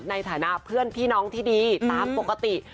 ในฐานะเพื่อนพี่น้องที่ดีตามปกติ